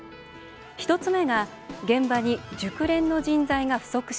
１つ目が現場に熟練の人材が不足していること。